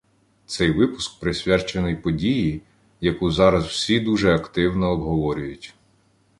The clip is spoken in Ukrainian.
Цей випуск присвячений події, яку зараз всі дуже активно обговорюють.